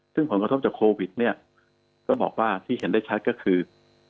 ซึ่งผลกระทบจากโควิดเนี่ยก็บอกว่าที่เห็นได้ชัดก็คือ